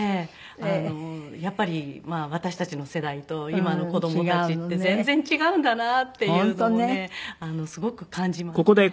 やっぱり私たちの世代と今の子供たちって全然違うんだなっていうのもねすごく感じますね。